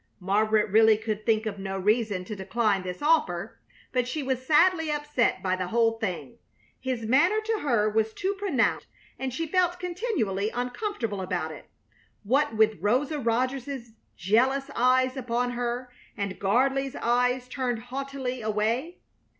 Margaret really could think of no reason to decline this offer, but she was sadly upset by the whole thing. His manner to her was too pronounced, and she felt continually uncomfortable under it, what with Rosa Rogers's jealous eyes upon her and Gardley's eyes turned haughtily away.